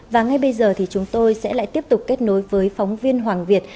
và ngay bây giờ thì chúng tôi sẽ lại tiếp tục kết nối với phóng viên hoàng việt